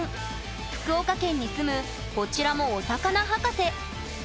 福岡県に住むこちらも「お魚博士」。